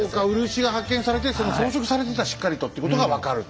漆が発見されてその装飾されてたしっかりとということが分かると。